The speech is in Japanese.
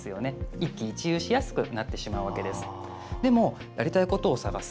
一喜一憂しやすくなってしまうわけです。